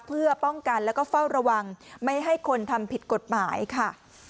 เพื่อป้องกันแล้วก็เฝ้าระวังไม่ให้คนทำผิดกฎหมายค่ะ